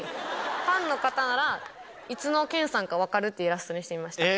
ファンの方なら、いつの堅さんか分かるっていうイラストにしてみました。